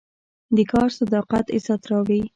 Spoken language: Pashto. د کار صداقت عزت راوړي.